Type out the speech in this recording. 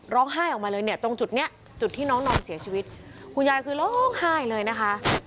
ร้องไห้ออกมาเลยเนี่ยตรงจุดเนี้ยจุดที่น้องนอนเสียชีวิตคุณยายคือร้องไห้เลยนะคะ